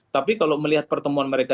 tapi kalau melihat pertemuan mereka